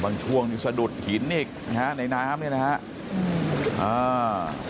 ช่วงนี้สะดุดหินอีกนะฮะในน้ำเนี่ยนะฮะอ่า